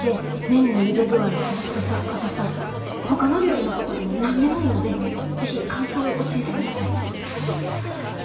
麺のゆで具合太さかたさほかの料理のことでも何でもいいので是非感想を教えてください。